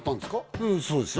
うんそうですよ